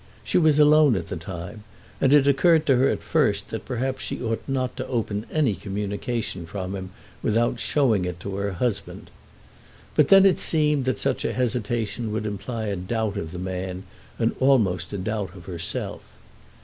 She was alone at the time, and it occurred to her at first that perhaps she ought not to open any communication from him without showing it to her husband. But then it seemed that such a hesitation would imply a doubt of the man, and almost a doubt of herself.